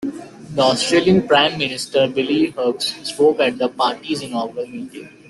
The Australian prime minister, Billy Hughes, spoke at the party's inaugural meeting.